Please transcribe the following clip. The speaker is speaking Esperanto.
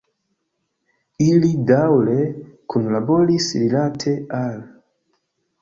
Ili daŭre kunlaboris rilate al.